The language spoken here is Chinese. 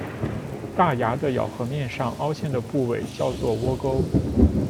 大牙的咬合面上凹陷的部位叫窝沟。